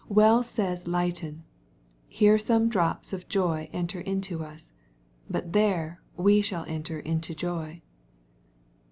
Well says Leighton, Here some drops of joy enter into us, but there we shall enter into joy."